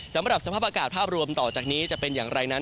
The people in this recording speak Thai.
สำหรับสภาพอากาศภาพรวมต่อจากนี้จะเป็นอย่างไรนั้น